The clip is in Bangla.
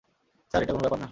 স্যার, এটা কোনো ব্যাপার না।